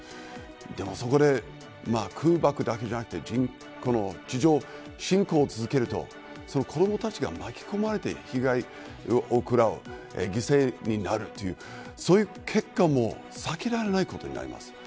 でも、そこで空爆だけじゃなくて地上侵攻を続けると子どもたちが巻き込まれて被害をくらう犠牲になるというそういう結果も避けられないことになります。